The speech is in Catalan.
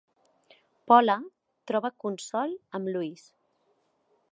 Pola troba consol amb Louis.